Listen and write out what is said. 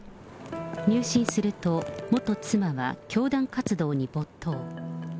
入信すると、元妻は教団活動に没頭。